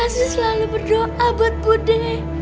saya selalu berdoa buat budi